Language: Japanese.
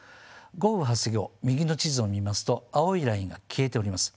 豪雨発生後右の地図を見ますと青いラインが消えております。